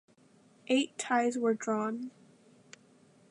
Eight ties were drawn.